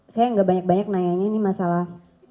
saya gak banyak banyak nanya ini masalah